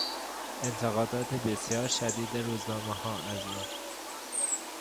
انتقادات بسیار شدید روزنامهها از او